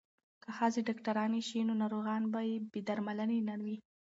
که ښځې ډاکټرانې شي نو ناروغان به بې درملنې نه وي.